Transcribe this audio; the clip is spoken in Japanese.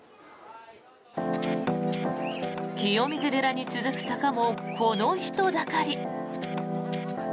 清水寺に続く坂もこの人だかり。